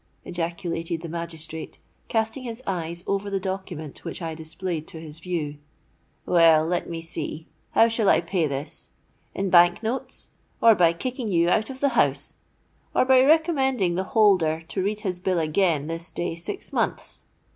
ejaculated the magistrate, casting his eyes over the document which I displayed to his view. 'Well, let me see, how shall I pay this? In Bank notes, or by kicking you out of the house, or by recommending the holder to read his bill again this day six months?